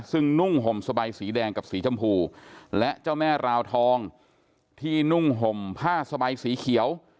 ซึ่งนุ่งห่มสบายสีแดงกับสีชมพูและเจ้าแม่ราวทองที่นุ่งห่มผ้าสบายสีเขียว